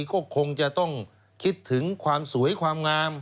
ก็คงจะต้องคิดถึงความสวยความงาม